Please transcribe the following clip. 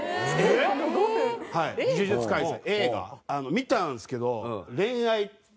見たんですけど。